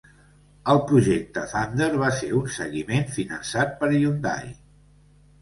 El projecte "Thunder" va ser un seguiment finançat per Hyundai.